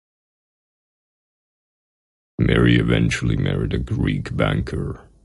Marie eventually married a Greek banker.